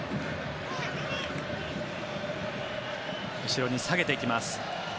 後ろに下げていきます。